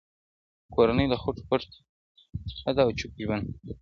کورنۍ له خلکو پټه ده او چوپ ژوند کوي سخت-